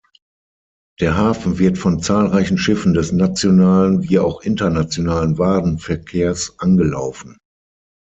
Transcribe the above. Der Hafen wird von zahlreichen Schiffen des nationalen wie auch internationalen Warenverkehrs angelaufen.